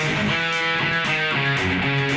กลับมาที่นี่